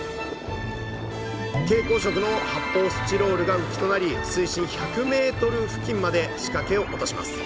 蛍光色の発泡スチロールが浮きとなり水深１００ｍ付近まで仕掛けを落とします。